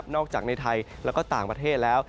นอกจากในไทยและต่างประเทศแล้ว